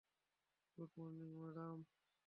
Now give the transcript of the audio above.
Good morning, madam.